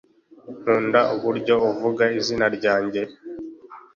nkunda uburyo uvuga izina ryanjye